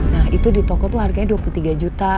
nah itu di toko itu harganya dua puluh tiga juta